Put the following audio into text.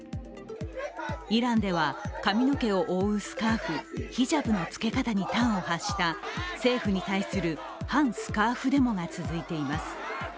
イランでは、髪の毛を覆うスカーフヒジャブの着け方に端を発した政府に対する反スカーフデモが続いています。